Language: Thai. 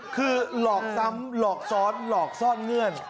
คือหลอกซ้ำหลอกซ้อนหลอกซ่อนเงื่อน